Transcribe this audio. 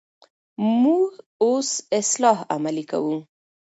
موږ اوس اصلاح عملي کوو.